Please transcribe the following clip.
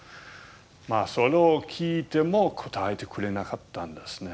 それを聞いても答えてくれなかったんですね。